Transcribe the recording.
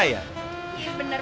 iya bener banget